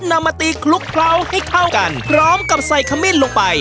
นำมาตีคลุกเคล้าให้เข้ากันพร้อมกับใส่ขมิ้นลงไป